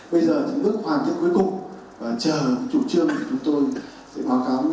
bây giờ thì bước hoàn thiện cuối cùng và chờ chủ trương của chúng tôi